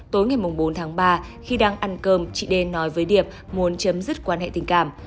tối ngày bốn tháng ba khi đang ăn cơm chị đê nói với điệp muốn chấm dứt quan hệ tình cảm